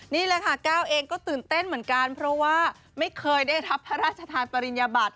นี่แหละค่ะก้าวเองก็ตื่นเต้นเหมือนกันเพราะว่าไม่เคยได้รับพระราชทานปริญญาบัติ